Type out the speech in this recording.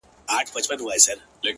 ښه دی په دې ازمايښتونو کي به ځان ووينم’